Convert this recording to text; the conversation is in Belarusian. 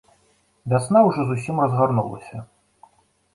Вясна ўжо зусім разгарнулася.